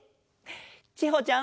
ちほちゃん。